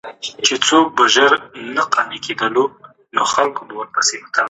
پر وخت خوب کول د اعصابو ارامتیا ده.